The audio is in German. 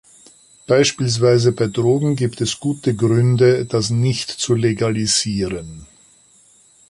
Beispielsweise bei Drogen gibt es gute Gründe, das nicht zu legalisieren.